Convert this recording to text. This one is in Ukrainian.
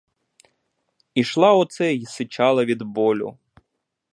Ішла оце й сичала від болю.